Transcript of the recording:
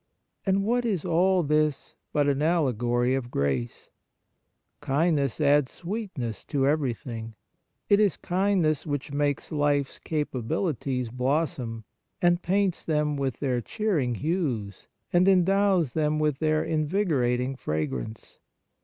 And what is all this but an allegory of grace ? Kindness adds sweetness to everything. It is kindness which makes life's capabilities blossom, and paints them with their cheering hues, and endows them with their invigorating fragrance.